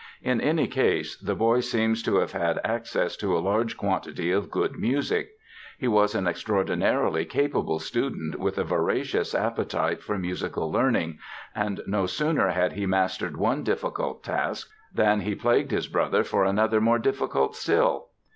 In any case the boy seems to have had access to a large quantity of good music. He was an extraordinarily capable student with a voracious appetite for musical learning and no sooner had he mastered one difficult task than he plagued his brother for another more difficult still.